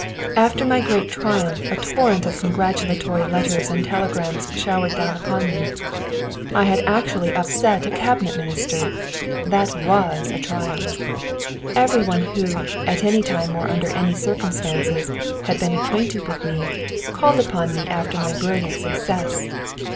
After my great triumph a torrent of congratulatory letters and telegrams showered down upon me. I had actually upset a Cabinet Minister! That was a triumph! Every one who, at any time, or under any circumstances, had been acquainted with me, called upon me after my brilliant success.